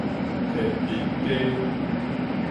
天津街